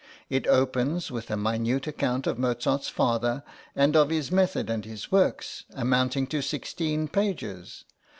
It opens with a minute account of Mozart's father, and of his method and his works, amounting to sixteen pages.